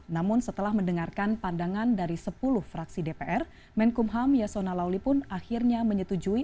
namun setelah mendengarkan pandangan dari sepuluh fraksi dpr menkumham yasona lawli pun akhirnya menyetujui